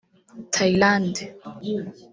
Thailand